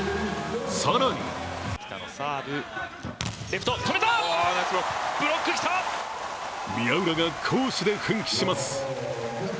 更に宮浦が攻守で奮起します。